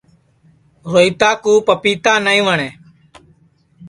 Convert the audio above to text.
روہیتا کُو پَپیتا نائی وٹؔے